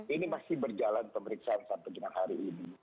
ini masih berjalan pemeriksaan sampai dengan hari ini